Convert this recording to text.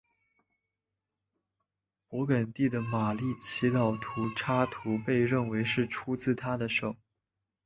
勃艮第的马丽的祈祷书插图被认为是出自他之手。